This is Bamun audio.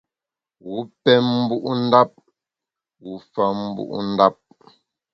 Wu pem mbu’ ndap, wu fa mbu’ ndap.